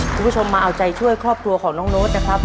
คุณผู้ชมมาเอาใจช่วยครอบครัวของน้องโน๊ตนะครับ